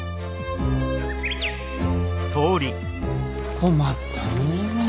困ったねえ。